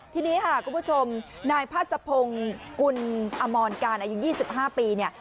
ทีนี้ค่ะคุณผู้ชมนายพาสะพงศ์กุลอมรการอายุ๒๕ปีเนี่ย